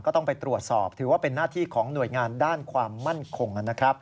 ต้องไปตรวจสอบถือว่าเป็นหน้าที่ของหน่วยงานด้านความมั่นคงนะครับ